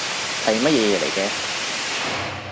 係乜嘢嘢嚟嘅